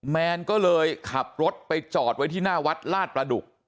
แมนก็เลยขับรถไปจอดไว้ที่หน้าวัดลาดประดุก